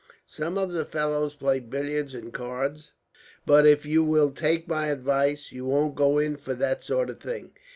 Some of the fellows play billiards and cards; but if you will take my advice, you won't go in for that sort of thing.